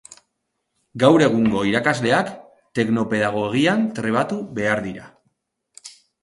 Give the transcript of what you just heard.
Gaur egungo irakasleak teknopedagogian trebatu behar dira